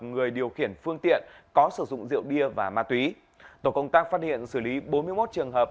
người điều khiển phương tiện có sử dụng rượu bia và ma túy tổ công tác phát hiện xử lý bốn mươi một trường hợp